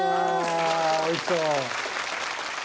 わあおいしそう。